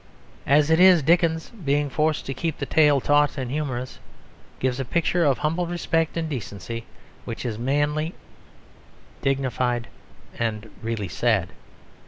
As it is, Dickens, being forced to keep the tale taut and humorous, gives a picture of humble respect and decency which is manly, dignified, and really sad.